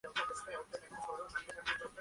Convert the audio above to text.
Así nació el himno.